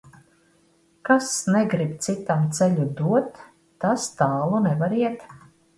Kas negrib citam ceļu dot, tas tālu nevar iet.